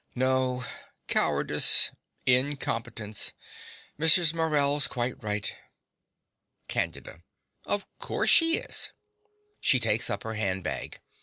No: cowardice, incompetence. Mrs. Morell's quite right. CANDIDA. Of course she is. (She takes up her handbag.)